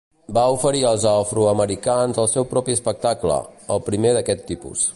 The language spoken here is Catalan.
Va oferir als afroamericans el seu propi espectacle, el primer d'aquest tipus.